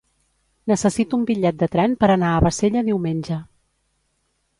Necessito un bitllet de tren per anar a Bassella diumenge.